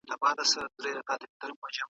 نه اختر ته مي زړه کیږي نه مي جشن پکښي خپل سو